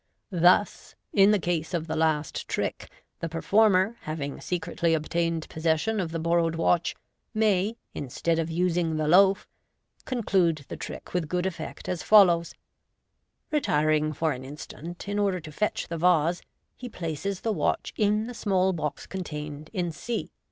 Thus, in the case of the last trick, the performer, having secretly obtained possession of the borrowed watch, may, instead of using the loaf, conclude the trick with good effect as follows :— Retiring for an instant in order to fetch the vase, he places the watch in the small box contained in c.